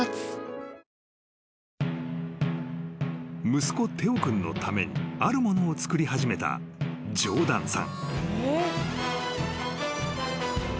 ［息子テオ君のためにあるものをつくり始めたジョーダンさん］